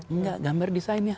tidak gambar desain ya